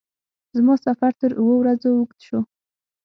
زما سفر تر اوو ورځو اوږد شو.